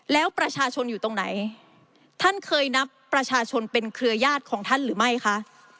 แล้วประชาชนอยู่ตรงไหนท่านเคยนับประชาชนเป็นเครือญาติของท่านหรือไม่คะ